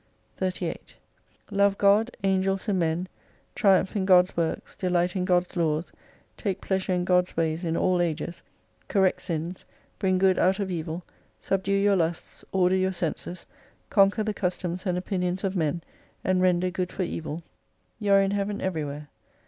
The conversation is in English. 38 Love God, Angels and Men, triumph in God's works, delight in God's laws, take pleasure in God's ways in all ages, correct sins, bring good out of evil, subdue your lusts, order your senses, conquer the customs and opinions of men and render good for evil, you are in 263 Heaven everywhere.